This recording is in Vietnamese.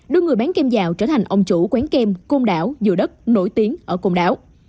đưa người bán kem dạo trở thành ông chủ quán kem côn đảo dừa đất nổi tiếng ở côn đảo